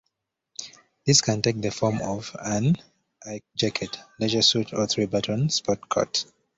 This can take the form of an Ike jacket, leisure suit or three-button sportcoat.